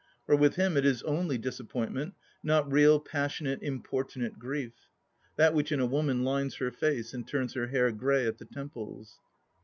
For with him it is only disappointment, not real, passionate, importimate grief: that which in a woman lines her face and turns her hair grey at the temples.